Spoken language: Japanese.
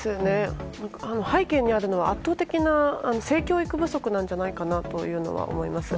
背景にあるのは、圧倒的な性教育不足なんじゃないかと思います。